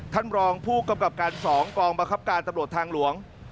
ท่านรองผู้กำกับการ๒กองบังคับการตำรวจทางหลวง